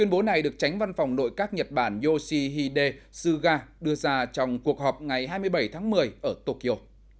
bản yoshihide suga đưa ra trong cuộc họp ngày hai mươi bảy tháng một mươi ở tokyo